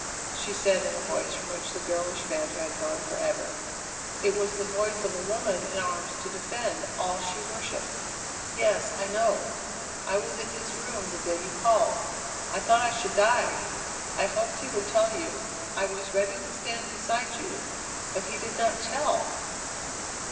she said in a voice from which the girlish banter had gone forever. It was the voice of a woman in arms to defend all she worshipped. "Yes, I know. I was in his room the day you called. I thought I should die. I hoped he would tell you. I was ready to stand beside you; but he did not tell!"